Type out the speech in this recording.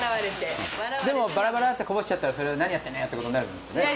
でもバラバラってこぼしちゃったらそれは「何やってんのよ！」ってことになるんですよね？